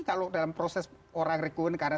kalau dalam proses orang rekuen karena